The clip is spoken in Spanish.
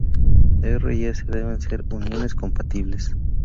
R y S deben ser "uniones compatibles".